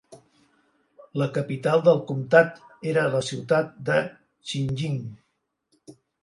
La capital del comtat era la ciutat de Xinying.